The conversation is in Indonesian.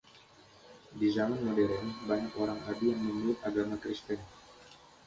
Di zaman modern, banyak orang Adi yang memeluk agama Kristen.